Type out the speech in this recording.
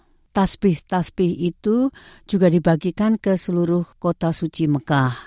nah tasbih tasbih itu juga dibagikan ke seluruh kota suci mekah